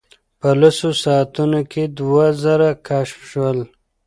په لسو ساعتونو کې دوه زره کشف شول.